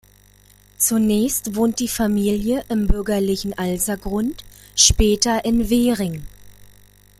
Zunächst wohnte die Familie im bürgerlichen Alsergrund, später in Währing.